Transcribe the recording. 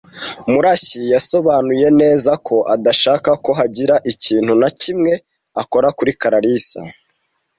Murashyi yasobanuye neza ko adashaka ko hagira ikintu na kimwe akora kuri Kalarisa .